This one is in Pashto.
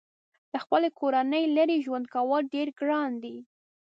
له خپلې کورنۍ لرې ژوند کول ډېر ګران دي.